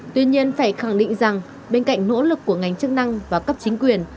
tuy nhiên phải khẳng định rằng bên cạnh nỗ lực của ngành chức năng và cấp chính quyền